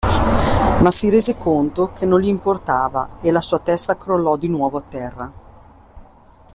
Ma si rese conto che non gli importava e la sua testa crollò di nuovo a terra.